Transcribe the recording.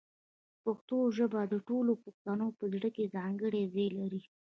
پښتو ژبه د ټولو پښتنو په زړه کې ځانګړی ځای لري.